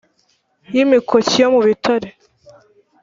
Y imikoki yo mu bitare